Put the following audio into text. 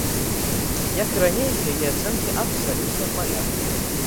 Як і раней, яе ацэнкі абсалютна палярныя.